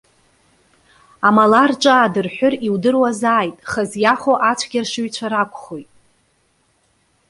Амала рҿы аадырҳәыр, иудыруазааит, хазы иахо ацәгьаршыҩцәа ракәхоит.